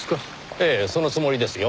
ええそのつもりですよ。